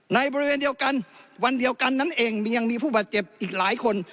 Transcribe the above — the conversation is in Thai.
บริเวณเดียวกันวันเดียวกันนั้นเองมียังมีผู้บาดเจ็บอีกหลายคน